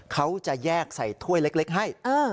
เขาจะแยกใส่ถ้วยเล็กให้